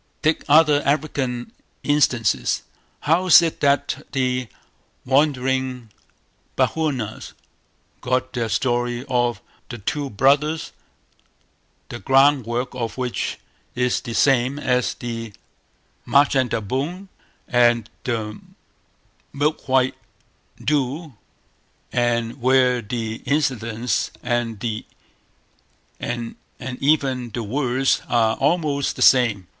Take other African instances. How is it that the wandering Bechuanas got their story of "The Two Brothers", the ground work of which is the same as "The Machandelboom" and the "Milk white Doo", and where the incidents and even the words are almost the same?